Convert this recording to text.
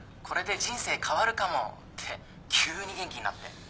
これで人生変わるかも」って急に元気になって。